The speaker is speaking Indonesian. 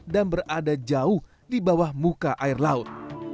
dan berada jauh di bawah muka air laut